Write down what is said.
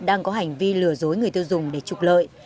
đang có hành vi lừa dối người tiêu dùng để trục lợi